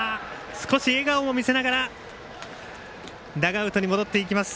少し笑顔も見せながらダグアウトに戻っていきます